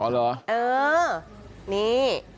อ๋อเหรอนี่